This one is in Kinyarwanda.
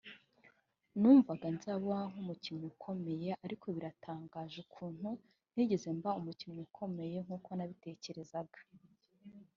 numvaga nzaba nk’umukinnyi ukomeye ariko biratangaje ukuntu ntigeze mba umukinnyi ukomeye nk’uko nabitekerezaga